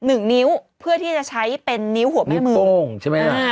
หนึ่งนิ้วเพื่อที่จะใช้เป็นนิ้วหัวแม่มือโป้งใช่ไหมฮะ